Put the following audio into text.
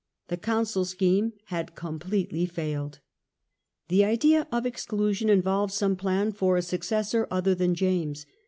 The Council scheme had completely failed. The idea of Exclusion involved some plan for a suc cessor other than James.